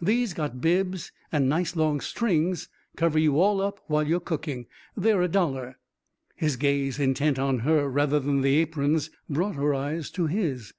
"These got bibs and nice long strings, cover you all up while you're cooking. They're a dollar." His gaze, intent on her rather than the aprons, brought her eyes to his.